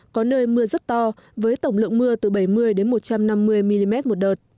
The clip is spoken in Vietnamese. có nơi mưa rất to với tổng lượng mưa từ bảy mươi một trăm năm mươi mm một đợt